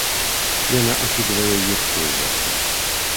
Яна акідвае іх позіркам.